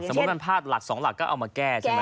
อย่างเช่นสมมุติมันพลาดหลัก๒หลักก็เอามาแก้ใช่ไหม